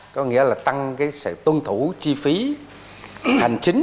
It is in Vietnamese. có nghĩa là tăng cái sự tuân thủ chi phí hành chính